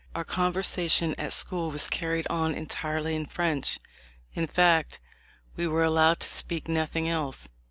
Our conversation at school was carried on entirely in French — in fact we were allowed to speak nothing else.